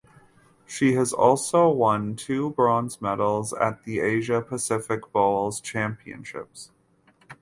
She has also won two bronze medals at the Asia Pacific Bowls Championships.